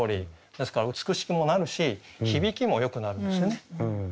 ですから美しくもなるし響きもよくなるんですよね。